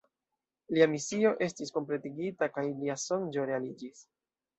Lia misio estis kompletigita kaj lia sonĝo realiĝis.